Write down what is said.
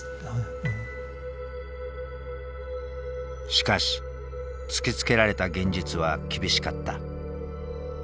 しかし突きつけられた現実は厳しかった。